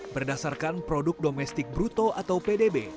berdasarkan produk domestik bruto atau pdb